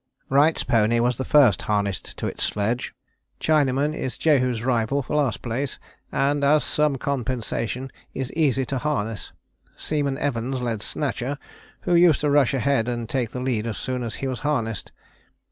"Wright's pony was the first harnessed to its sledge. Chinaman is Jehu's rival for last place, and as some compensation is easy to harness. Seaman Evans led Snatcher, who used to rush ahead and take the lead as soon as he was harnessed.